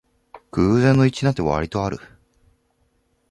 偶然の一致なんてわりとある